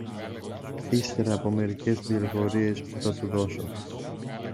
ύστερα από μερικές πληροφορίες που θα του δώσω